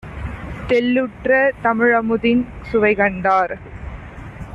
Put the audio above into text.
தெள்ளுற்ற தமிழமுதின் சுவைகண்டார்